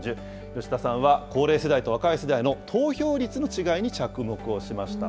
吉田さんは高齢世代と若い世代の投票率の違いに着目をしました。